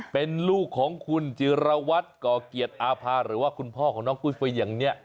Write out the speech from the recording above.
เป็นลูกของคุณจิรวรรษกรเกียรติอาพาทหรือว่าคุณพ่อกิวเซอยั้งนี้